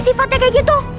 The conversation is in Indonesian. sifatnya kayak gitu